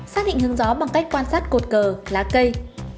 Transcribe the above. xác định hướng gió bằng cách quan sát cột cờ lá cây